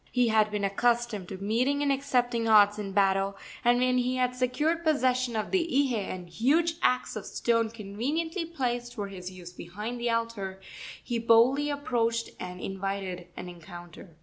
He had been accustomed to meeting and accepting odds in battle, and when he had secured possession of the ihe and huge axe of stone conveniently placed for his use behind the altar, he boldly approached and invited an encounter.